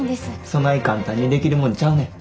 そない簡単にできるもんちゃうねん。